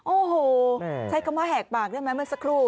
โอ้โหใช้คำว่าแหกปากได้ไหมเมื่อสักครู่